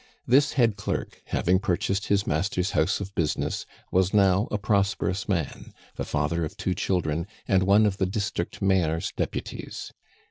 This head clerk, having purchased his master's house of business, was now a prosperous man, the father of two children, and one of the district Maire's deputies.